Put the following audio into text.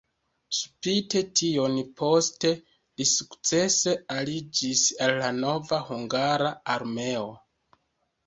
Spite tion poste li sukcese aliĝis al la nova hungara armeo.